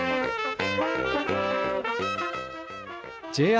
ＪＲ